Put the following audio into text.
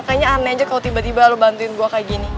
kayaknya aneh aja kalau tiba tiba lo bantuin gue kayak gini